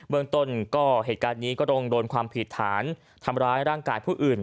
เมืองต้นก็เหตุการณ์นี้ก็ต้องโดนความผิดฐานทำร้ายร่างกายผู้อื่น